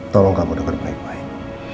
tolong kamu dengar baik baik